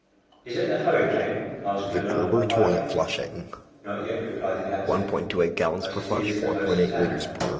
"Is it the hurricane?" asked Glenarvan quietly. "Not yet," replied the captain; "but it is close at hand."